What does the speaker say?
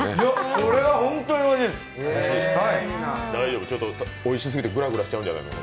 これはホントにおいしいです。